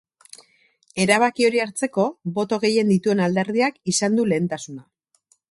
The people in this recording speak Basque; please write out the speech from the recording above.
Erabaki hori hartzeko, boto gehien dituen alderdiak izan du lehentasuna.